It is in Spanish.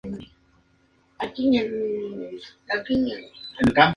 Tradición cultural desde hace un siglo, que se presenta el último domingo del año.